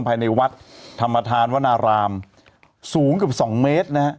ภายในวัดธรรมธานวนารามสูงเกือบสองเมตรนะฮะ